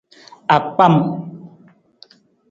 Akpam.